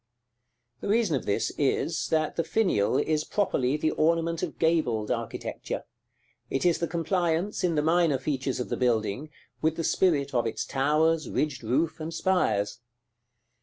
The reason of this is, that the finial is properly the ornament of gabled architecture; it is the compliance, in the minor features of the building, with the spirit of its towers, ridged roof, and spires.